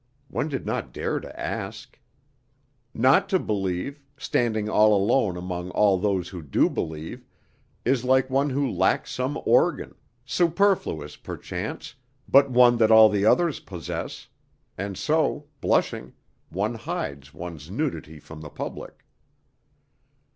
One did not dare to ask. Not to believe, standing all alone among all those who do believe, is like one who lacks some organ, superfluous perchance, but one that all the others possess; and so, blushing, one hides one's nudity from the public.